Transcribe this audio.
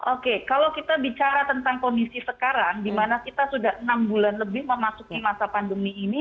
oke kalau kita bicara tentang kondisi sekarang dimana kita sudah enam bulan lebih memasuki masa pandemi ini